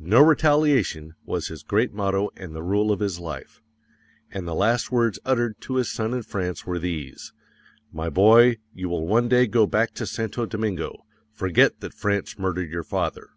"No Retaliation" was his great motto and the rule of his life; _AND THE LAST WORDS UTTERED TO HIS SON IN FRANCE WERE THESE: "My boy, you will one day go back to Santo Domingo; forget that France murdered your father."